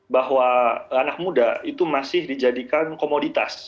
bahwa anak muda itu masih dijadikan komoditas